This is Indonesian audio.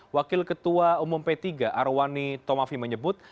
wakil ketua umum p tiga arwani tomafi menyebut